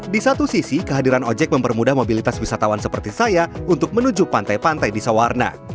di satu sisi kehadiran ojek mempermudah mobilitas wisatawan seperti saya untuk menuju pantai pantai di sawarna